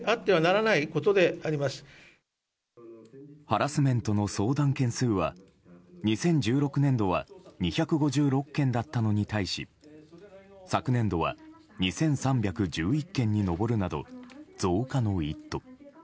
ハラスメントの相談件数は２０１６年度は２５６件だったのに対し昨年度は２３１１件に上るなど増加の一途。